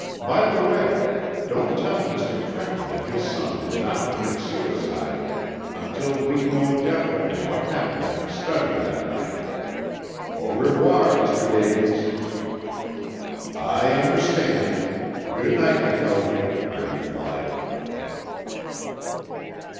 By the way, don't tell Mr. Trenton that his son did not commit suicide until we know definitely what happened in the study that night. Au revoir, Mr. Davies." "I understand. Good night, McKelvie," I replied.